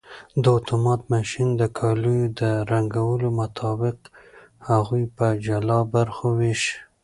دا اتومات ماشین د کالیو د رنګونو مطابق هغوی په جلا برخو ویشي.